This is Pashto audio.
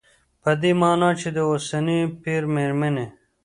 په دې مانا چې د اوسني پېر مېرمنې